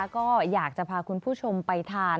ก็อยากจะพาคุณผู้ชมไปทาน